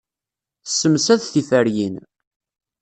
Tessemsad tiferyin.